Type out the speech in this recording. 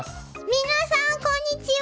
皆さんこんにちは！